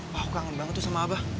aku kangen banget tuh sama abah